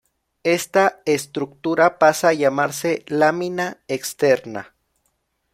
Ésta estructura pasa a llamarse lámina externa.